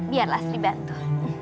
biar lasri bantu